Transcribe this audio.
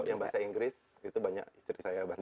kalo yang bahasa inggris itu banyak istri saya bantu